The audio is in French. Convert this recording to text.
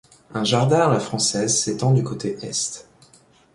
Un jardin à la française s'étend du côté est.